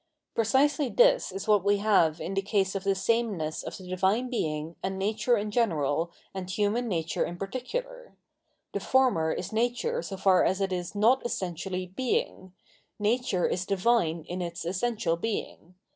Precisely this is what we have in the case of the sameness of the Divine Beiag and Nature in general and human nature in particular : the former is Nature so far as it is not essen tially Being; Nature is divine in its essential Being.